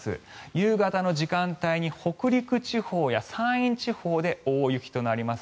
夕方の時間帯に北陸地方や山陰地方で大雪となります。